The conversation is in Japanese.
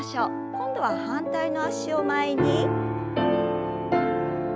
今度は反対の脚を前に。